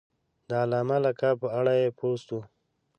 د علامه لقب په اړه یې پوسټ و.